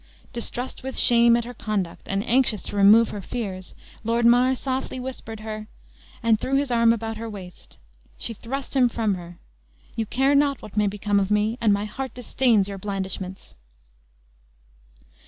Distressed with shame at her conduct, and anxious to remove her fears, Lord Mar softly whispered her, and threw his arm about her waist. She thrust him from her. "You care not what may become of me, and my heart disdains your blandishments."